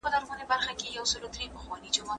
د حضرت جابر بن عبد الله څخه روايت دی.